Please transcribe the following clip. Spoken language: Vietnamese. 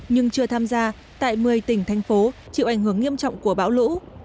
nhưng chưa tham gia tại một mươi tỉnh thành phố chịu ảnh hưởng nghiêm trọng của bão lũ